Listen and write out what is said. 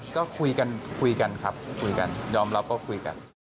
ก็คุยกันคุยกันครับคุยกันยอมรับก็คุยกัน